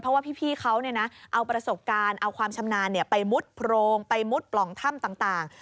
เพราะว่าพี่เขาเอาประสบการณ์เอาความชำนาญไปมุดโพรงไปมุดปล่องถ้ำต่าง